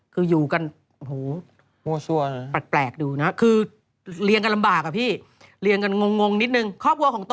คืออยู่กันโอ้โฮ